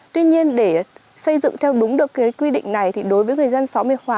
tuy nhiên để xây dựng theo đúng được cái quy định này thì đối với người dân xóm hiệp hòa